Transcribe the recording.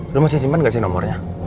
lu masih simpan gak sih nomornya